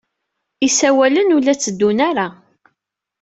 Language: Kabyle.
Isawalen ur la tteddun ara.